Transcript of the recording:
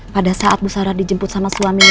pada saat bu sarah dijemput sama suaminya